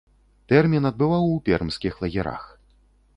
Тэрмін адбываў у пермскіх лагерах.